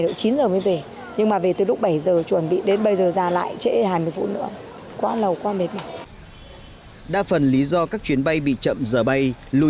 đối với các chuyến bay bị chậm giờ bay lùi dựng đối với các chuyến bay bị chậm giờ bay